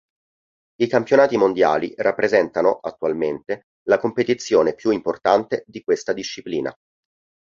I campionati mondiali rappresentano, attualmente, la competizione più importante di questa disciplina.